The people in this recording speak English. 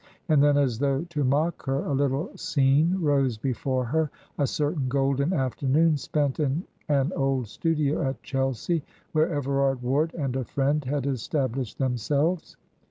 And then, as though to mock her, a little scene rose before her a certain golden afternoon spent in an old studio at Chelsea, where Everard Ward and a friend had established themselves.